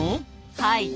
はい。